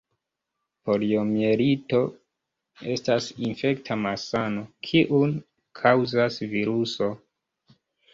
Poliomjelito estas infekta malsano, kiun kaŭzas viruso.